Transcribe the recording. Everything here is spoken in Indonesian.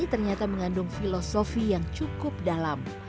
ternyata mengandung filosofi yang cukup dalam